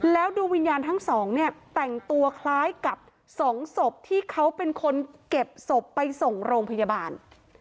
แล้วดวงวิญญาณทั้งสองเนี่ยแต่งตัวคล้ายกับสองศพที่เขาเป็นคนเก็บศพไปส่งโรงพยาบาล